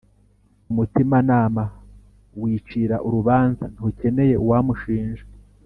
umutimanama wicira urubanza ntukeneye uwamushinja